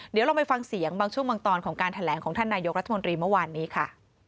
เดี๋ยวลองไปฟังเสียงบางช่วงบางตอนของการแถลงของท่านนายกรัฐมนตรีเมื่อวานนี้ค่ะ